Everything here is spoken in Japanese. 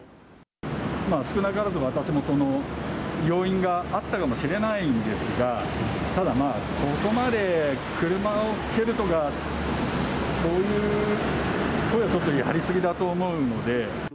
少なからず私にも要因があったかもしれないんですが、ただまあ、そこまで車を蹴るとか、そういう行為はちょっとやり過ぎだと思うので。